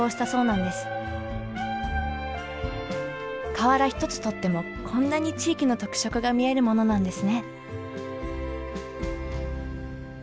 瓦一つとってもこんなに地域の特色が見えるものなんですね。